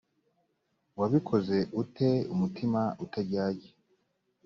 wabikoze u te umutima utaryarya